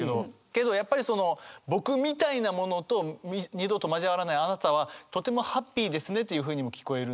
けどやっぱりその僕みたいな者と二度と交わらないあなたはとてもハッピーですねというふうにも聞こえるんですよね。